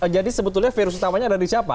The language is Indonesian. jadi sebetulnya virus utamanya ada di siapa